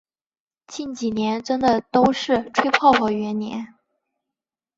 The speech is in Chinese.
近几年真的都是吹泡泡元年